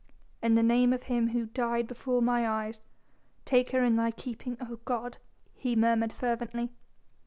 "In the name of Him Who died before mine eyes, take her in Thy keeping, O God!" he murmured fervently.